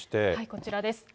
こちらです。